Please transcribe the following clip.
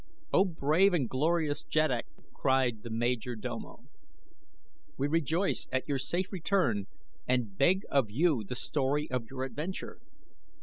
"O brave and glorious jeddak!" cried the major domo. "We rejoice at your safe return and beg of you the story of your adventure."